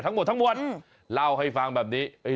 แต่ทั้งหมดเล่าให้ฟังแบบนี้